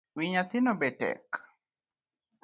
Wi nyathino betek